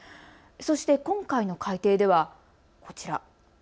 そして今回の改訂ではこちら。